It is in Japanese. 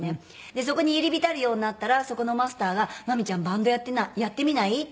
そこに入り浸るようになったらそこのマスターが「真実ちゃんバンドやってみない？」って誘われて。